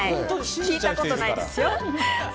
聞いたことないですよ。